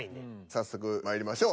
早速まいりましょう。